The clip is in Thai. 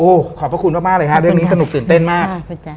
ขอบพระคุณมากเลยฮะเรื่องนี้สนุกตื่นเต้นมาก